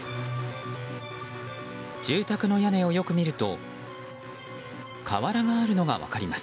住宅の屋根をよく見ると瓦があるのが分かります。